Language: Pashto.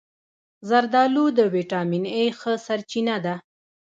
زردآلو د ویټامین A ښه سرچینه ده.